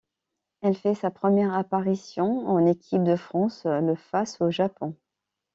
Elle fait sa première apparition en équipe de France le face au Japon.